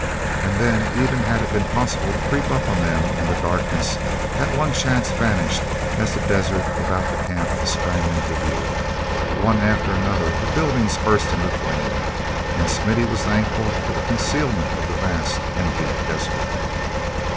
And then, even had it been possible to creep up on them in the darkness, that one chance vanished as the desert about the camp sprang into view. One after another the buildings burst into flame, and Smithy was thankful for the concealment of the vast, empty desert.